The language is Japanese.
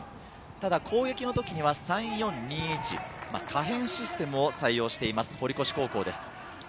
ただ攻撃の時には３−４−２−１、可変システムを採用しています堀越高校です。